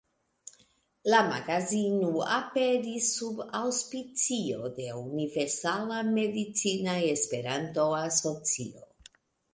La magazino aperis sub aŭspicio de Universala Medicina Esperanto-Asocio.